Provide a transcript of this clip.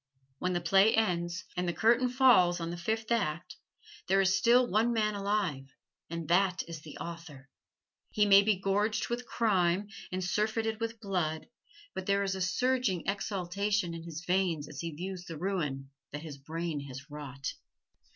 When the play ends and the curtain falls on the fifth act, there is still one man alive, and that is the author. He may be gorged with crime and surfeited with blood, but there is a surging exultation in his veins as he views the ruin that his brain has wrought.